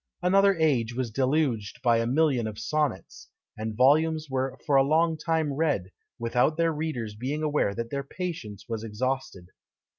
Another age was deluged by a million of sonnets; and volumes were for a long time read, without their readers being aware that their patience was exhausted.